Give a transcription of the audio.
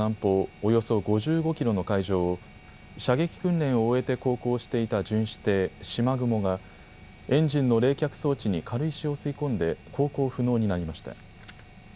およそ５５キロの海上を射撃訓練を終えて航行していた巡視艇しまぐもがエンジンの冷却装置に軽石を吸い込んで航行不能になりました。